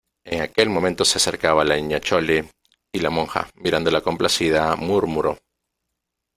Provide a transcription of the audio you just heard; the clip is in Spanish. en aquel momento se acercaba la Niña Chole , y la monja , mirándola complacida , murmuró :